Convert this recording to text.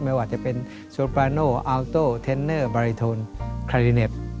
ไม่ว่าจะเป็นโซฟาโนอัลโต้เทนเนอร์บาริโทนคาริเน็ต